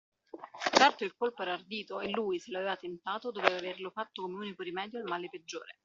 Certo il colpo era ardito e lui, se lo aveva tentato, doveva averlo fatto come unico rimedio al male peggiore